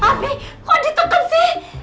ih abi kok diteken sih